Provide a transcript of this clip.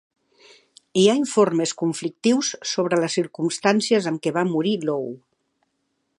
Hi ha informes conflictius sobre les circumstàncies en què va morir Low.